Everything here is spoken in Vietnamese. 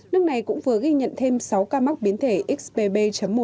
nước này cũng vừa ghi nhận thêm sáu ca mắc biến thể xbb một một mươi sáu